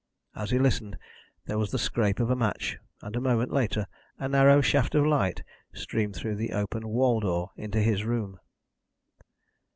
As he listened, there was the scrape of a match, and a moment later a narrow shaft of light streamed through the open wall door into his room.